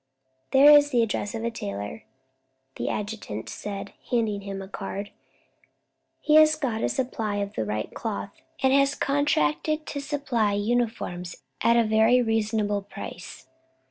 "There is the address of a tailor," the adjutant said, handing him a card; "he has got a supply of the right cloth, and has contracted to supply uniforms at a very reasonable price.